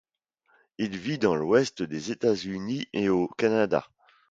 Il vit dans l'ouest des États-Unis et au Canada.